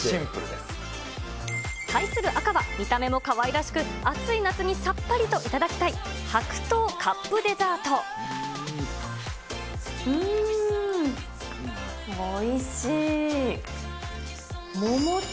対する赤は、見た目もかわいらしく暑い夏にさっぱりと頂きたい、白桃カップデザート。